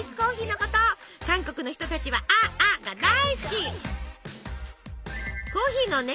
韓国の人たちはア．アが大好き！